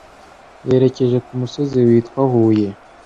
berekeje k' umusozi witwa Huye.